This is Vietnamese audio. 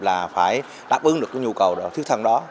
là phải đáp ứng được cái nhu cầu thiết thân đó